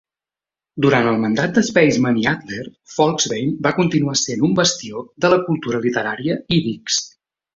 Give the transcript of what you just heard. Durant el mandat de Spaisman i Adler, Folksbiene va continuar sent un bastió de la cultura literària ídix.